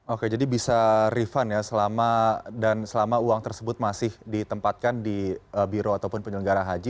oke jadi bisa refund ya selama dan selama uang tersebut masih ditempatkan di biro ataupun penyelenggara haji